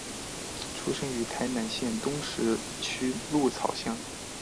出生于台南县东石区鹿草乡。